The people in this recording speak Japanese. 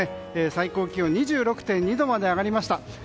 最高気温２６．２度まで上がりました。